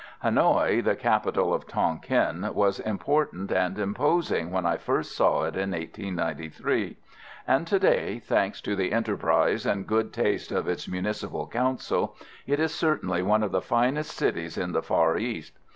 Hanoï, the capital of Tonquin, was important and imposing when I first saw it in 1893; and to day, thanks to the enterprise and good taste of its municipal council, it is certainly one of the finest cities in the Far East.